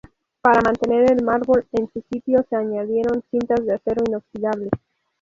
Para mantener el mármol en su sitio, se añadieron cintas de acero inoxidable.